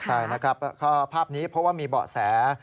ใช่นะครับภาพนี้เพราะว่ามีเบาะแส